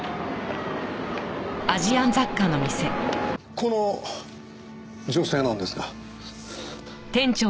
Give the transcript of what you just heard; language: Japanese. この女性なんですが。